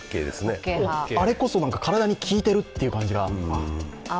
あれこそ体に効いてるって感じが。